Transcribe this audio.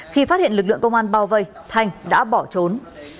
khi phát hiện lực lượng công an bao vây thanh đã bỏ trốn